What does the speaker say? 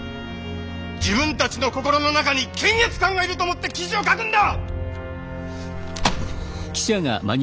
自分たちの心の中に検閲官がいると思って記事を書くんだ！